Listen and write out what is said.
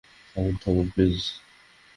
থামুন, থামুন প্লিজ।